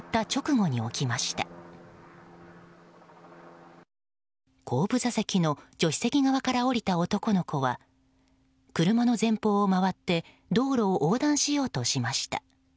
後部座席の助手席側から降りた男の子は車の前方を回って道路を横断しようとしました。